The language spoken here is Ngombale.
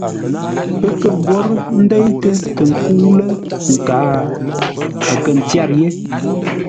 Pə́ kə̂ mbwórə́ ndéitə́ tə nkə́u lə̂ nkǎa, a kə̂ ndâʼ yé.